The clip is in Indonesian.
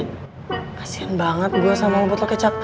kasian banget gue sama botol kecap